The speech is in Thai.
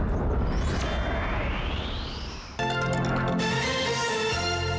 สาโล่งเออเออเออเออเออ